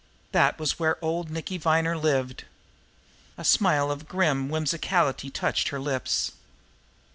That was where old Nicky Viner lived. A smile of grim whimsicality touched her lips.